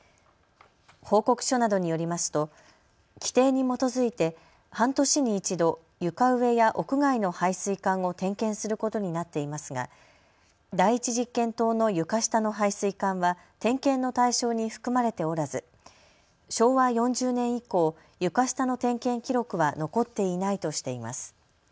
報告書などによりますと規程に基づいて半年に１度床上や屋外の排水管を点検することになっていますが第１実験棟の床下の排水管は点検の対象に含まれておらず昭和４０年以降、床下の点検記録は残っていないとしています。